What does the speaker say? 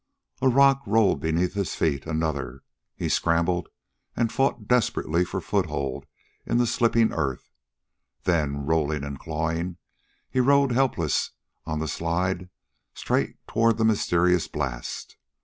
A rock rolled beneath his feet. Another! He scrambled and fought desperately for foothold in the slipping earth. Then, rolling and clawing, he rode helpless on the slide straight toward the mysterious blast.